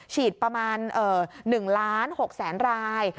ฉีดประมาณ๑ล้าน๖แสนราย